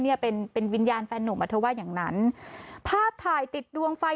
เนี่ยเป็นเป็นวิญญาณแฟนหนุ่มอ่ะเธอว่าอย่างนั้นภาพถ่ายติดดวงไฟ